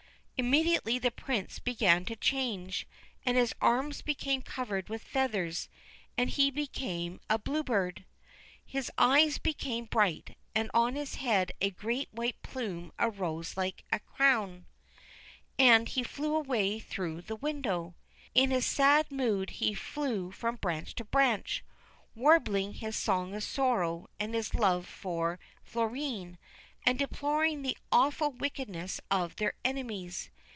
Immediately the Prince began to change, and his arms became covered with feathers, and he became a Blue Bird ; his eyes became bright, and on his head a great white plume arose like a crown and he flew away through the window. In his sad mood he flew from branch to branch, warbling his song of sorrow and his love for Florine, and deploring the awful wickedness of their enemies.